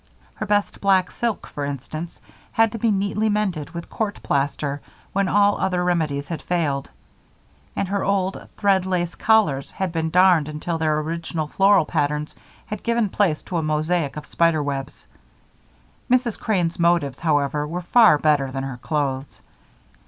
Her best black silk, for instance, had to be neatly mended with court plaster when all other remedies had failed, and her old, thread lace collars had been darned until their original floral patterns had given place to a mosaic of spider webs. Mrs. Crane's motives, however, were far better than her clothes.